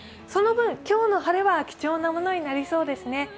その分、今日の晴れは貴重なものになりそうですね。